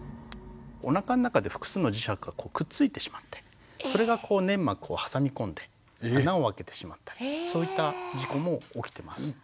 おなかの中で複数の磁石がこうくっついてしまってそれが粘膜を挟み込んで穴をあけてしまったりそういった事故も起きてます。